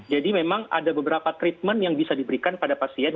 jadi memang ada beberapa treatment yang bisa diberikan pada pasien